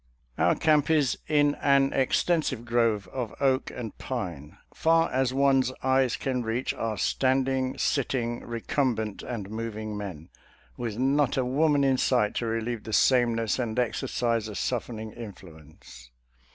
Our camp is in an extensive grove of oak and pine. Far as one's eyes can reach are standing, sitting, recumbent, and moving men, with not a woman in sight to relieve the sameness and ex ercise a softening influence.